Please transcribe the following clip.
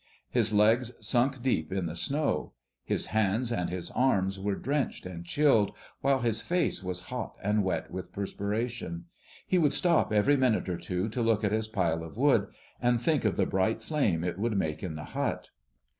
His legs sunk deep in the snow. His hands and his arms were drenched and chilled, while his face was hot and wet with perspiration. He would stop every minute or two to look at his pile of wood, and think of the bright flame it would make in the hut.